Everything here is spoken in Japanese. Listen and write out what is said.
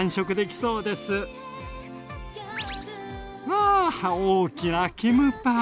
わあ大きなキムパ！